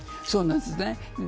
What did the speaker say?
そうなんですね。